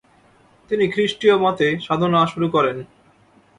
তিনি খ্রিস্টীয় মতে সাধনা শুরু করেন।